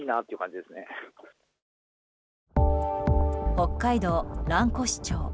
北海道蘭越町。